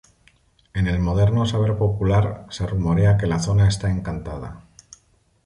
En el moderno saber popular, se rumorea que la zona está encantada.